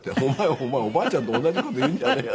「お前おばあちゃんと同じ事言うんじゃねえよ」